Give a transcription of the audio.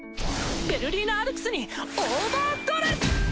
ヴェルリーナ・アルクスにオーバードレス！